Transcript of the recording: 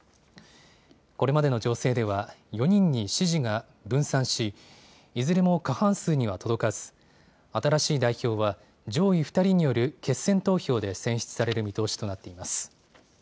これまでの情勢では、４人に支持が分散し、いずれも過半数には届かず、新しい代表は上位２人による決選投票で選出される見通しとなっています。